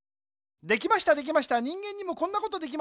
できましたできました人間にもこんなことできました。